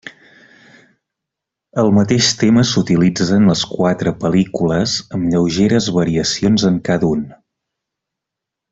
El mateix tema s'utilitza en les quatre pel·lícules amb lleugeres variacions en cada un.